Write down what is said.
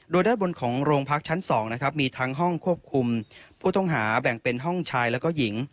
โดยด้านบนของโรงพักชั้น๒นะครับมีทั้งห้องควบคุมผู้ต้องหาแบ่งเป็นห้องชายแล้วก็หญิง